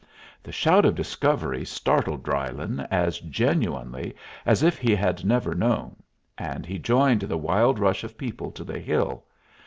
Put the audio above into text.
The shout of discovery startled Drylyn as genuinely as if he had never known, and he joined the wild rush of people to the hill.